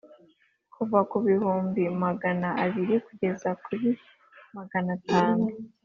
kuva ku bihumbi magana abiri kugeza kuri maganatanu